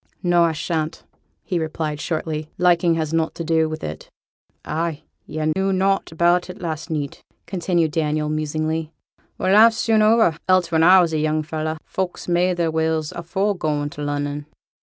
'No, I shan't,' he replied, shortly. 'Liking has nought to do with it.' 'Ah' yo' knew nought about it last neet,' continued Daniel, musingly. 'Well, life's soon o'er; else when I were a young fellow, folks made their wills afore goin' to Lunnon.'